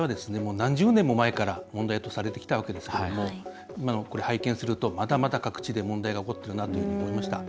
何十年も前から問題とされてきたわけですけれども今のこれ拝見すると、まだまだ各地で問題が起こってるなというふうに思いました。